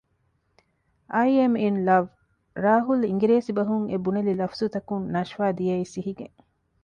އައި އެމް އިން ލަވް ރާހުލް އިނގިރޭސި ބަހުން އެ ބުނެލި ލަފްޒުތަކުން ނަޝްފާ ދިއައީ ސިހިގެން